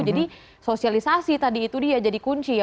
jadi sosialisasi tadi itu dia jadi kunci ya